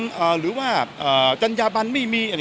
อ่าหรือว่าเอ่อจัญญาบัญไม่มี